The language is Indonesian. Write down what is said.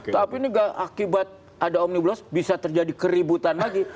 tapi ini akibat ada omnibus bisa terjadi keributan lagi